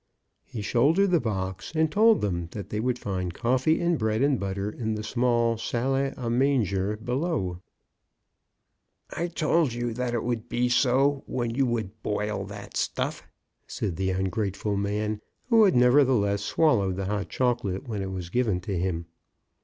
He shouldered the box, and told them that they would find coffee and bread and butter in the small salle a manger below. *' I told you that it would be so, when you MRS. BROWN AITEMPTS TO ESCAPE. 45 would boil that stuff," said the ungrateful man, who had nevertheless swallowed the hot choco late when it was given to him.